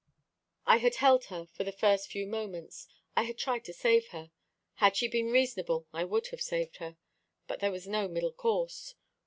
I had held her, for the first few moments. I had tried to save her. Had she been reasonable, I would have saved her. But there was no middle course.